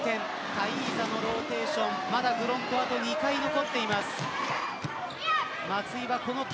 タイーザのローテーションフロントはあと２回残っています。